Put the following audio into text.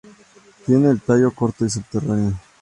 Tiene el tallo corto y subterráneo.